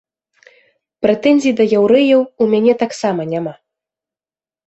Прэтэнзій да яўрэяў у мяне таксама няма.